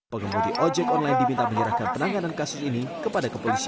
pengemudi ojek online diminta menyerahkan penanganan kasus ini kepada kepolisian